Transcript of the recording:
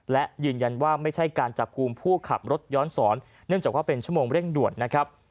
และยืนยันว่าไม่ใช่การจับกลุ่มผู้ขับรถย้อนสอนเนื่องจากว่าเป็นชั่วโมงเร่งด่วนนะครับ